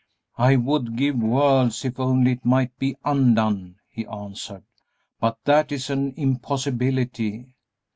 "I would give worlds if only it might be undone," he answered, "but that is an impossibility.